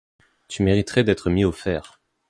Tu mériterais d’être mis aux fers.